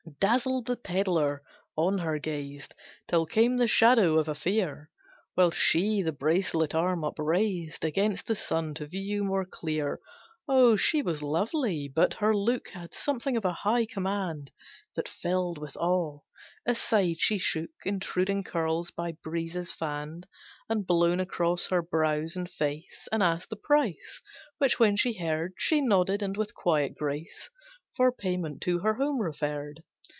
Dazzled the pedlar on her gazed Till came the shadow of a fear, While she the bracelet arm upraised Against the sun to view more clear. Oh she was lovely, but her look Had something of a high command That filled with awe. Aside she shook Intruding curls by breezes fanned And blown across her brows and face, And asked the price, which when she heard She nodded, and with quiet grace For payment to her home referred.